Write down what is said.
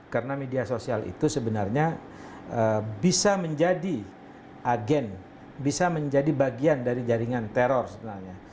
karena media sosial itu sebenarnya bisa menjadi agen bisa menjadi bagian dari jaringan teror sebenarnya